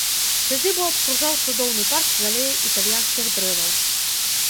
Сядзібу абкружаў цудоўны парк з алеяй італьянскіх дрэваў.